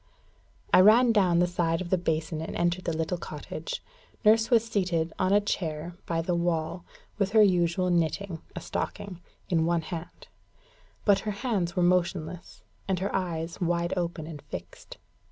I ran down the side of the basin, and entered the little cottage. Nurse was seated on a chair by the wall, with her usual knitting, a stocking, in one hand; but her hands were motionless, and her eyes wide open and fixed.